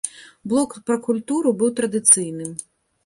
Блок пра культуру быў традыцыйным.